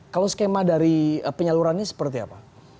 kalau skema dari penyalurannya seperti apa